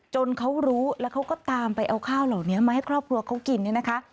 เขารู้แล้วเขาก็ตามไปเอาข้าวเหล่านี้มาให้ครอบครัวเขากินเนี่ยนะคะ